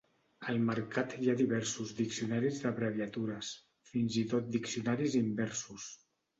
Al mercat hi ha diversos diccionaris d'abreviatures, fins i tot diccionaris inversos.